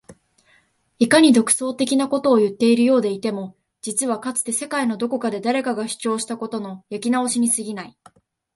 いかに独創的なことを言っているようでいても実はかつて世界のどこかで誰かが主張したことの焼き直しに過ぎない